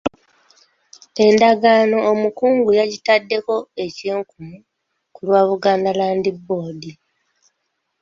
Endagaano omukungu yagitaddeko ekinkumu ku lwa Buganda Land Board.